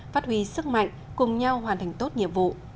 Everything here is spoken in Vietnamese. phát huy sức mạnh cùng nhau hoàn thành tốt nhiệm vụ